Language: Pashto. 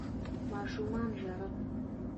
ماشومانو ژړل.